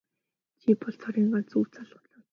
Чи бол миний цорын ганц өв залгамжлагч.